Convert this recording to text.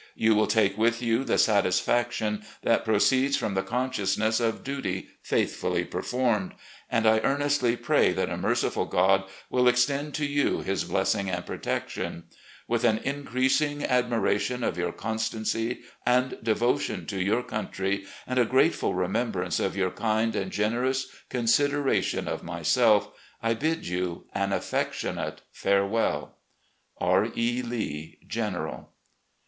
You will take with you the satisfaction that proceeds from the consciousness of duty faithfully performed; and I earnestly pray that a merciful God will extend to you His blessing and protection. With an 1S4 RECOLLECTIONS OP GENERAL LEE increasing admiration of your constancy and devotion to your country, and a grateful remembrance of your kind and generous consideration of myself, I bid you an affec tionate farewell. "R. E. Lee, General."